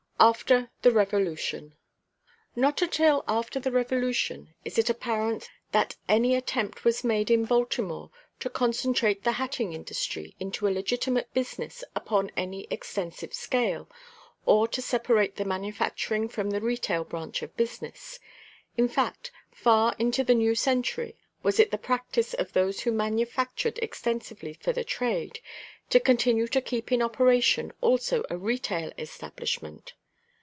] AFTER THE REVOLUTION. No. 4. Not until after the Revolution is it apparent that any attempt was made in Baltimore to concentrate the hatting industry into a legitimate business upon any extensive scale, or to separate the manufacturing from the retail branch of business; in fact, far into the new century was it the practice of those who manufactured extensively for the trade, to continue to keep in operation also a retail establishment.